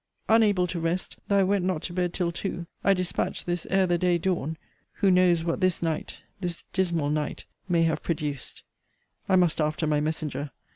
Unable to rest, though I went not to bed till two, I dispatch this ere the day dawn who knows what this night, this dismal night, may have produced! I must after my messenger.